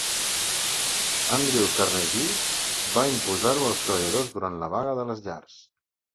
Andrew Carnegie va imposar-ho als treballadors durant la Vaga de les Llars.